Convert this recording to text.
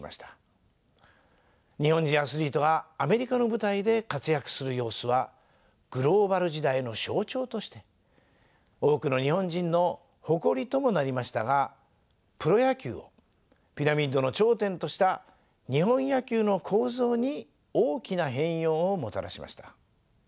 日本人アスリートがアメリカの舞台で活躍する様子はグローバル時代の象徴として多くの日本人の誇りともなりましたがプロ野球をピラミッドの頂点とした日本野球の構造に大きな変容をもたらしました。